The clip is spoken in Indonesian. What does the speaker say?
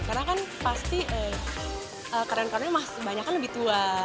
karena kan pasti karyawan karyawan emang banyak kan lebih tua